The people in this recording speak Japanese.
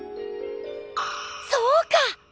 そうか！